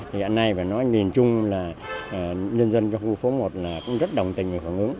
hiện nay nói nhìn chung là nhân dân trong khu phố một là cũng rất đồng tình và khẳng ứng